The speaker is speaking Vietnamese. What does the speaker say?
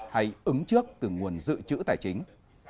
hay ứng trước từ nguồn dự trữ tài chính